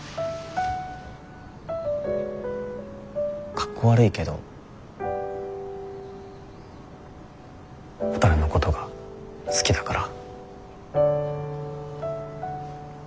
かっこ悪いけどほたるのことが好きだから。